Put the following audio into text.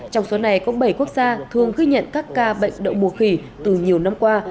trong số này có bảy quốc gia thường ghi nhận các ca bệnh đậu mùa khỉ từ nhiều năm qua